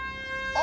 あ！